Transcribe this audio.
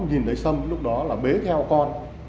nhìn thấy sông lúc đó là bế theo con